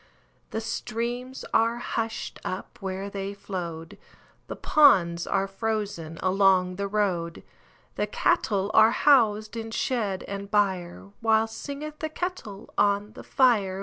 The streams are hushed up where they flowed, The ponds are frozen along the road, The cattle are housed in shed and byreWhile singeth the kettle on the fire.